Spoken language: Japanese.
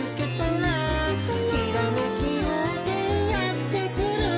「ひらめきようせいやってくる」